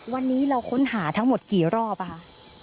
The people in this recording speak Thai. วันนี้เราค้นหาทั้งหมดกี่รอบคะ